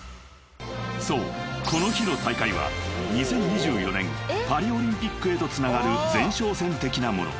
［そうこの日の大会は２０２４年パリオリンピックへとつながる前哨戦的なもの］